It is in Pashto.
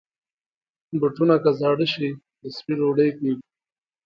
بوټونه که زاړه شي، د سپي ډوډۍ کېږي.